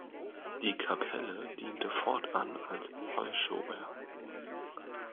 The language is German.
Die Kapelle diente fortan als Heuschober.